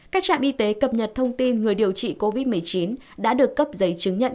các trạm y tế cập nhật thông tin người điều trị covid một mươi chín đã được cấp giấy chứng nhận